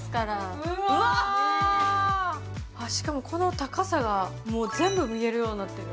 しかも、この高さが全部見えるようになってる。